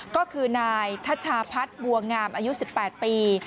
ก็คือนายทัชชาพัฒน์บัวงามอายุ๑๘ปี